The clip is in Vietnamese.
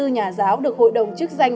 nhà giáo được hội đồng chức danh